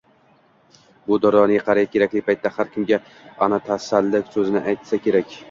Bu nuroniy qariya kerakli paytda har kimga ana tasalli so‘zini aytsa kerak.